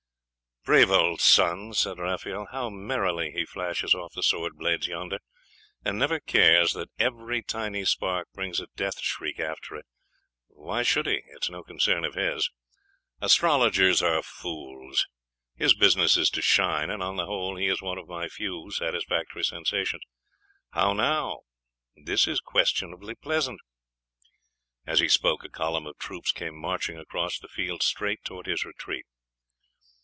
'Brave old Sun!' said Raphael, 'how merrily he flashes off the sword blades yonder, and never cares that every tiny spark brings a death shriek after it! Why should he? It is no concern of his. Astrologers are fools. His business is to shine; and on the whole, he is one of my few satisfactory sensations. How now? This is questionably pleasant!' As he spoke, a column of troops came marching across the field, straight towards his retreat.